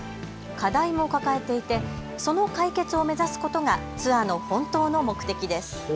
課題も抱えていて、その解決を目指すことがツアーの本当の目的です。